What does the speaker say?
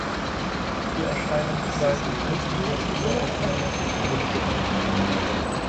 Die Erscheinungsweise wurde jedoch wieder auf monatlich umgestellt.